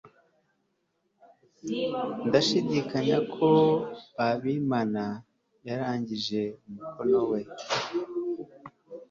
ndashidikanya ko habimana yarangije umukoro we